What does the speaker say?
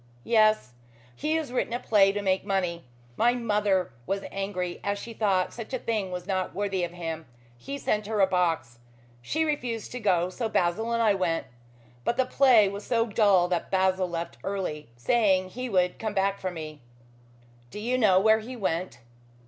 "Yes. He has written a play to make money. My mother was angry, as she thought such a thing was not worthy of him. He sent her a box. She refused to go, so Basil and I went. But the play was so dull that Basil left early, saying he would come back for me." "Do you know where he went?"